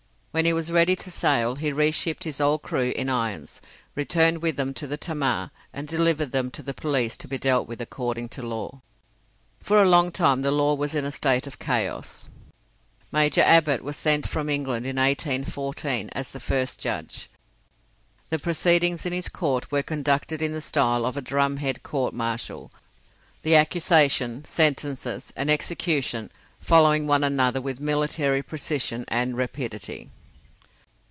When he was ready to sail, he reshipped his old crew in irons, returned with them to the Tamar, and delivered them to the police to be dealt with according to law. For a long time the law was in a state of chaos. Major Abbott was sent from England in 1814 as the first judge. The proceedings in his court were conducted in the style of a drum head court martial, the accusation, sentences, and execution following one another with military precision and rapidity.